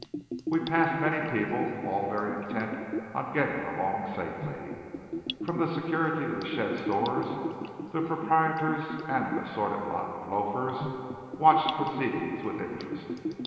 We passed many people, all very intent on getting along safely. From the security of the shed stores the proprietors and an assorted lot of loafers watched proceedings with interest.